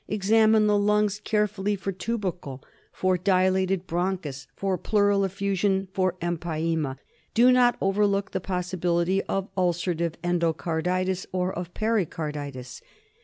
Examine the lungs carefully for tubercle, for dilated bronchus, for pleural effusion, for empyema. Do not overlook the possibility of ulcerative endocarditis or of pericarditis.